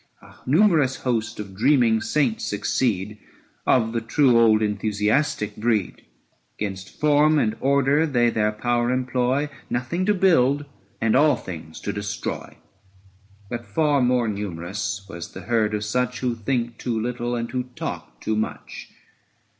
A numerous host of dreaming saints succeed Of the true old enthusiastic breed: 530 'Gainst form and order they their power employ, Nothing to build and all things to destroy. But far more numerous was the herd of such Who think too little and who talk too much.